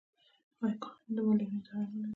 آیا کاناډا د معلولینو اداره نلري؟